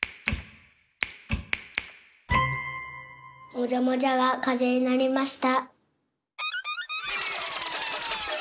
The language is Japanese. もじゃもじゃがかぜになりました。